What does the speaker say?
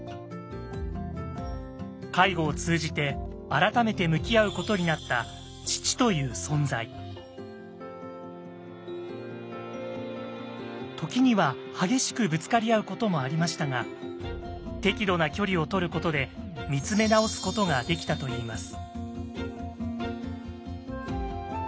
介護を通じて改めて向き合うことになった時には激しくぶつかり合うこともありましたが適度な距離をとることでみつめ直すことができたといいます。